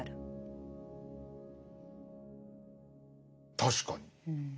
確かに。